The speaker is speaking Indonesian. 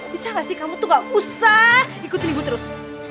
bisa gak sih kamu tuh gak usah ikutin ibu terus